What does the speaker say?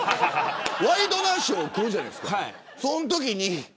ワイドナショー来るじゃないですか。